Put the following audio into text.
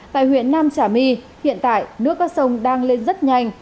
tại huyện nam trà my hiện tại nước các sông đang lên rất nhanh